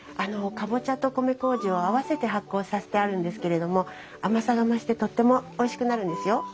カボチャと米麹を合わせて発酵させてあるんですけれども甘さが増してとってもおいしくなるんですよ。